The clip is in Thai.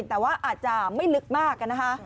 แต่ว่าอาจจะไม่ลึกมากนะคะ